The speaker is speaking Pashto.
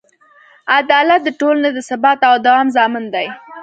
عدالت د ټولنې د ثبات او دوام ضامن دی.